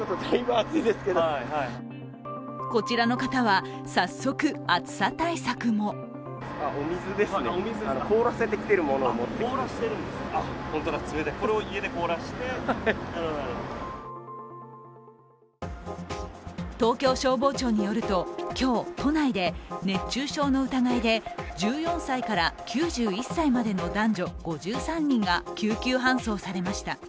こちらの方は、早速暑さ対策も東京消防庁によると今日都内で、熱中症の疑いで１４歳から９１歳までの男女５３人が救急搬送されました。